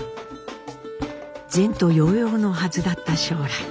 前途洋々のはずだった将来。